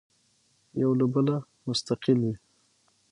یو له بله مستقل وي.